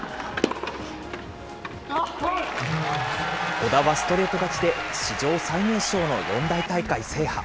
小田はストレート勝ちで、史上最年少の四大大会制覇。